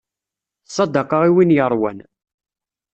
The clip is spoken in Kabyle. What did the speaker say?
Ssadaqa i win yeṛwan.